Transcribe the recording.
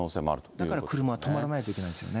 だから車は止まらないといけないですよね。